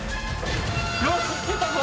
よーしいけたぞ。